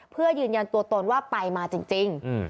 เพื่อยืนยันตัวตนว่าไปมาจริง